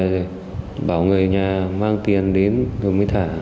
rồi bảo người nhà mang tiền đến rồi mới thả